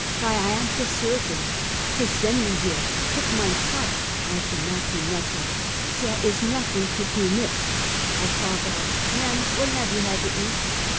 " Yy, I am de surgeon. Tey send me here; put mine Cot, I cannot do notting. Tere ish notting to do mit!" I called out: " Men, what have you had to eat?"